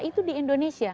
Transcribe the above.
itu di indonesia